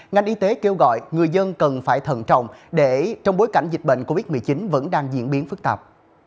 ngành y tế kêu gọi người dân cần phải thận trọng để trong bối cảnh dịch bệnh covid một mươi chín vẫn đang diễn biến phức tạp